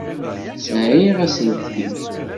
Sɛiɣ aselkim.